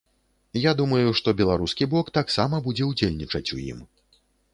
Я думаю, што беларускі бок таксама будзе ўдзельнічаць у ім.